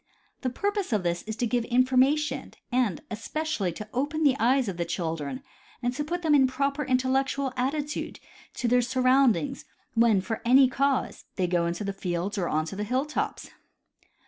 The purpose of this is to give information and especially to open the eyes of the children and to put them in a proper intellectual attitude to their surroundings, when, for any cause, they go into the fields or onto the hill tops.